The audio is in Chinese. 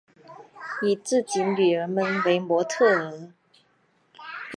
以自己女儿们为模特儿